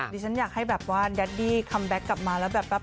อ๋อดิฉันอยากให้แบบว่าแดดดี้กลับมาแล้วแบบว่า